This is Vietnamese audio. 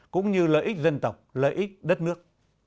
cũng như lợi ích dân tộc lợi ích đất nước